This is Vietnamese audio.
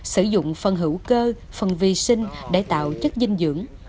sử dụng phần hữu cơ phần vi sinh để tạo chất dinh dưỡng